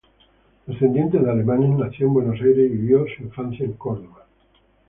Descendiente de alemanes, nació en Buenos Aires y vivió su infancia en Córdoba.